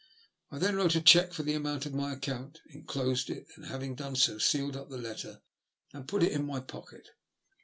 I then wrote a cheque for the amount of my account, enclosed it, and having, done so sealed up the letter and put it in my pocket.